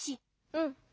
うん。